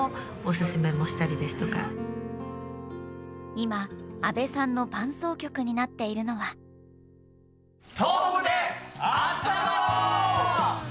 今阿部さんの伴走曲になっているのは「とうほくであったまろう」。